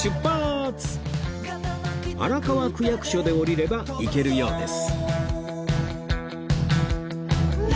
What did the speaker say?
荒川区役所で降りれば行けるようです